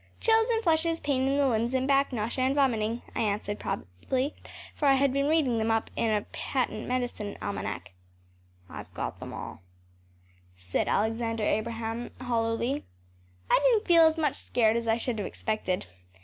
‚ÄĚ “Chills and flushes, pain in the limbs and back, nausea and vomiting,‚ÄĚ I answered promptly, for I had been reading them up in a patent medicine almanac. “I’ve got them all,‚ÄĚ said Alexander Abraham hollowly. I didn’t feel as much scared as I should have expected.